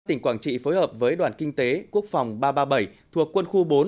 tỉnh quảng trị phối hợp với đoàn kinh tế quốc phòng ba trăm ba mươi bảy thuộc quân khu bốn